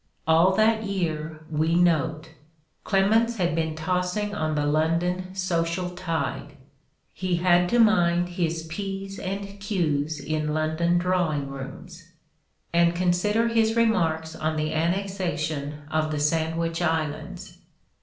All that year, we note, "Clemens had been tossing on the London social tide"; he had to mind his Ps and Qs in London drawing rooms. And consider his remarks on the an nexation of the Sandwich Islands.